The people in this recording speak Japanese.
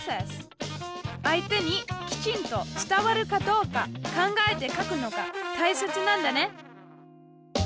相手にきちんと伝わるかどうか考えて書くのがたいせつなんだね。